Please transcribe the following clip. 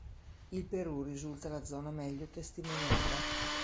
Il Perù risulta la zona meglio testimoniata.